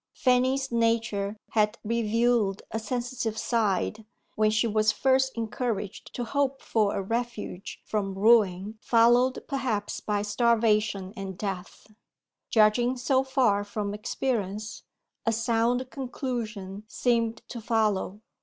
Fanny's nature had revealed a sensitive side, when she was first encouraged to hope for a refuge from ruin followed perhaps by starvation and death. Judging so far from experience, a sound conclusion seemed to follow.